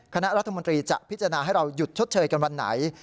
คณะรัฐมนตรีจะพิจารณาให้เราหยุดชดเชยกันวันไหน